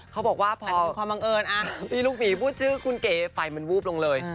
เขาบอกว่าพอมีลูกหมีพูดชื่อคุณเก๋ไฟมันวูบลงเลย